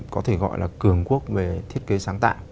có thể gọi là cường quốc về thiết kế sáng tạo